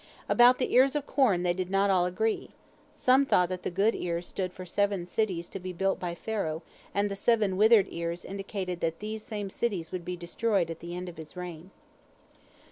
About the ears of corn they did not all agree. Some thought the good ears stood for seven cities to be built by Pharaoh, and the seven withered ears indicated that these same cities would be destroyed at the end of his reign.